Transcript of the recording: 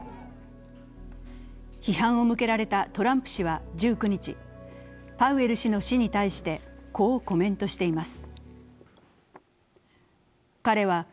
批判を向けられたトランプ氏は１９日、パウエル氏の死に対してこうコメントしています。